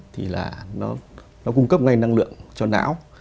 thì là nó cung cấp ngay năng lượng cho não